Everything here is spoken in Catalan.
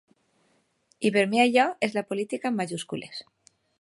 I per mi allò és la política en majúscules.